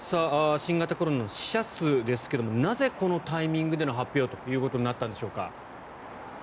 新型コロナの死者数ですけどもなぜ、このタイミングでの発表となったんでしょうか。